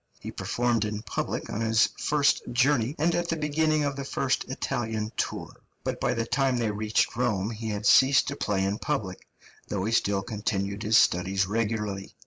He performed in public on his first journey and at the beginning of the first Italian tour; but by the time they reached Rome he had ceased to play in public, though he still continued his studies regularly.